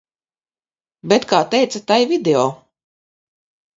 Bet kā teica tai video.